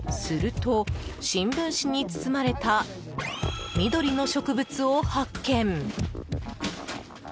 すると、新聞紙に包まれた緑の植物を発見。